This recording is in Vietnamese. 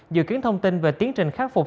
dự kiến thông tin về tiến trình khắc phục